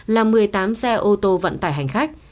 là một mươi tám xe ô tô vận tải hành khách